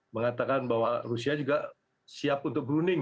mengatakan bahwa rusia juga siap untuk berunding